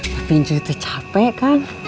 tapi cuy tuh capek kang